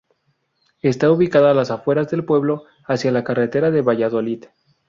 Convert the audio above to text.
Está ubicado a las afueras del pueblo, hacia la carretera de Valladolid.